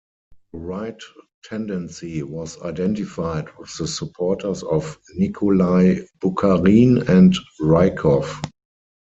The right tendency was identified with the supporters of Nikolai Bukharin and Rykov.